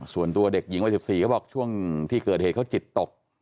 ส่วนตัวเด็กหญิงวัย๑๔เขาบอกช่วงที่เกิดเหตุเขาจิตตก